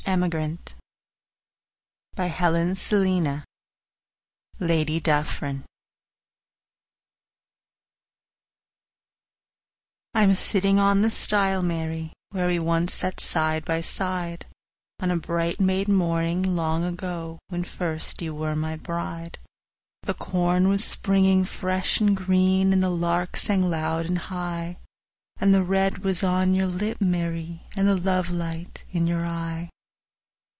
1807–1867 691. Lament of the Irish Emigrant I'M sittin' on the stile, Mary, Where we sat side by side On a bright May mornin' long ago, When first you were my bride; The corn was springin' fresh and green, 5 And the lark sang loud and high— And the red was on your lip, Mary, And the love light in your eye.